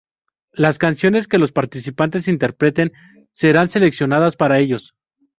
Las canciones que los participantes interpreten serán seleccionadas para ellos.